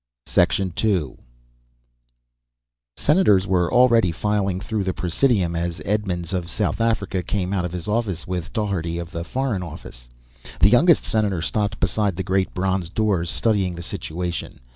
II Senators were already filing through the Presidium as Edmonds of South Africa came out of his office with Daugherty of the Foreign Office. The youngest senator stopped beside the great bronze doors, studying the situation.